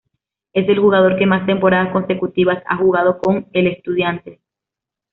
Es el jugador que más temporadas consecutivas ha jugado con el Estudiantes.